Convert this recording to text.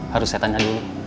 harus saya tanya dulu